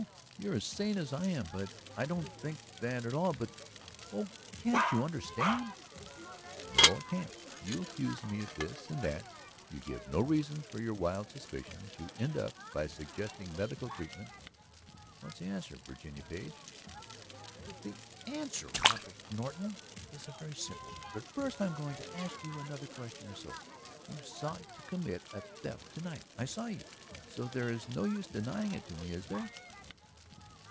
You are as sane as I am. I don't think that at all. But ... Oh, can't you understand?" "No, I can't. You accuse me of this and that, you give no reasons for your wild suspicions, you end up by suggesting medical treatment. What's the answer, Virginia Page?" "The answer, Roderick Norton, is a very simple one. But first I am going to ask you another question or so. You sought to commit a theft to night, I saw you, so there is no use denying it to me, is there?"